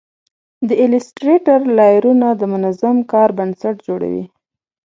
د ایلیسټریټر لایرونه د منظم کار بنسټ جوړوي.